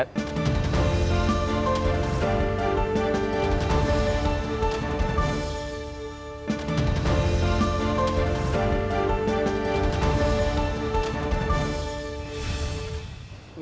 tidak toleran berarti